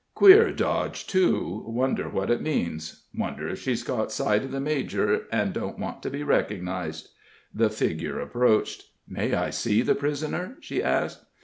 Queer dodge, too wonder what it means? Wonder if she's caught sight of the major, and don't want to be recognized?" The figure approached. "May I see the prisoner?" she asked.